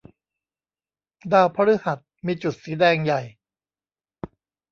ดาวพฤหัสมีจุดสีแดงใหญ่